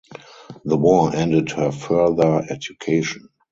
The war ended her further education.